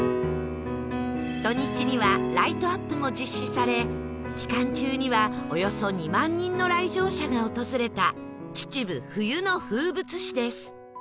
土日にはライトアップも実施され期間中にはおよそ２万人の来場者が訪れた秩父冬の風物詩です